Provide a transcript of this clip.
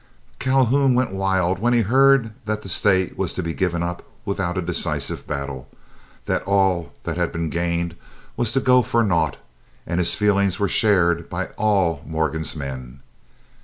Calhoun went wild when he heard that the state was to be given up without a decisive battle, that all that had been gained was to go for naught; and his feelings were shared by all Morgan's men.